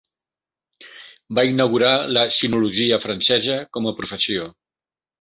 Va inaugurar la sinologia francesa com a professió.